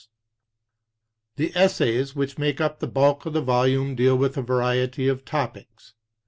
The essays which make up the bulk of the volume deal with a variety of topics.